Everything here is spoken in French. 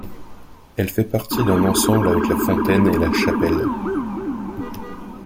Elle fait partie d’un ensemble avec la fontaine et la chapelle.